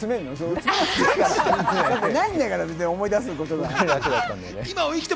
ないんだから、思い出すことなんて。